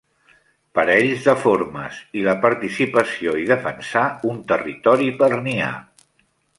Parells de formes, i la participació i defensar un territori per niar.